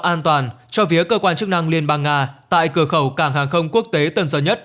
an toàn cho phía cơ quan chức năng liên bang nga tại cửa khẩu cảng hàng không quốc tế tân sơn nhất